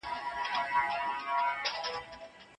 که مجازي کورسونه وي، مسلکي پرمختګ دوام مومي.